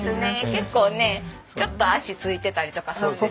結構ねちょっと脚付いてたりとかするんですよね。